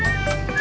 gak ada apa apa